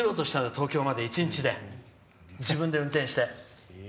東京まで、１日で自分で運転して。